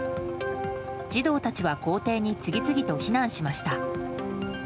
児童たちは校庭に次々と避難しました。